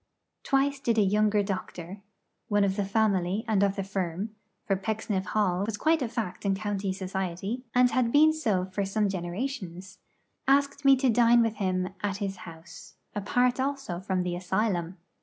Twice did a younger doctor one of the family and of the firm, for Pecksniff Hall was quite a fact in county society, and had been so for some generations ask me to dine with him at his house, apart also from the asylum.